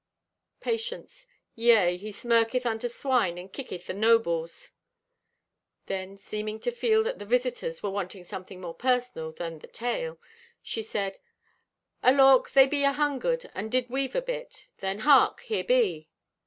Patience.—"Yea, he smirketh unto swine and kicketh the nobles." Then seeming to feel that the visitors were wanting something more personal than the "Tale" she said: "Alawk, they be ahungered, and did weave a bit. Then hark. Here be.